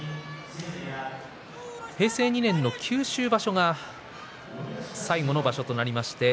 平成２年の九州場所が最後の場所となりました。